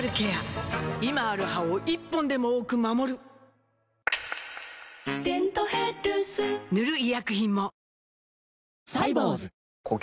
今ある歯を１本でも多く守る「デントヘルス」塗る医薬品も